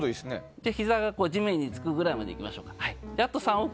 ひざが地面につくぐらいまでいきましょう。